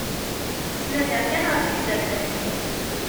Ttnadiɣ kan ɣef yizerfan-iw.